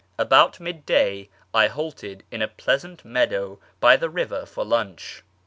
About mid day I halted in a pleasant meadow by the river for lunch.